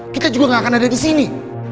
kita juga gak akan ada disini